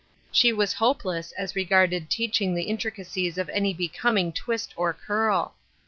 She was hopeless as regarded teaching the intricacies of any becoming twist or curl.